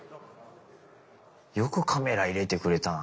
よくカメラ入れてくれたな。